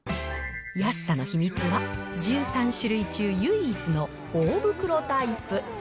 安さの秘密は、１３種類中、唯一の大袋タイプ。